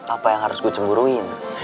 apa yang harus gue cemburuin